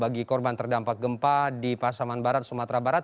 bagi korban terdampak gempa di pasaman barat sumatera barat